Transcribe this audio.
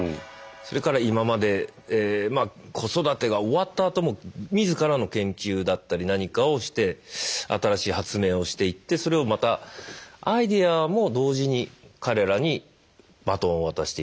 それから今まで子育てが終わったあとも自らの研究だったり何かをして新しい発明をしていってそれをまたアイデアも同時に彼らにバトンを渡していく。